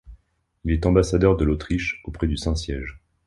Il est ambassadeur de l'Autriche auprès du Saint-Siège.